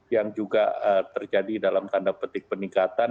yang juga terjadi dalam tanda petik peningkatan